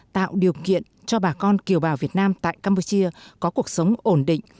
tạo điều kiện cho bà con kiều bào việt nam tại campuchia có cuộc sống ổn định